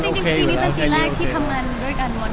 จริงปีนี้เป็นปีแรกที่ทำงานด้วยกันหมด